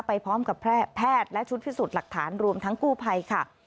ไปพร้อมกับแพทย์และชุดพิสูจน์หลักฐานรวมทั้งกู้ภัยค่ะ